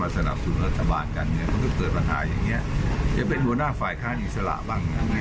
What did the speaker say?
สร้างฝ่ายค้านิสละบ้าง